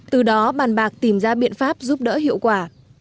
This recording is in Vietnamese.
từ đó bàn bạc tìm ra biện pháp giúp đỡ hiệu quả